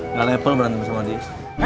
nggak level berantem sama dia